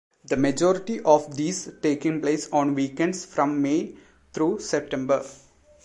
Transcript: The majority of these taking place on weekends from May through September.